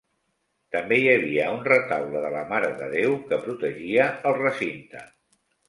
També hi havia un retaule de la Mare de Déu que protegia el recinte.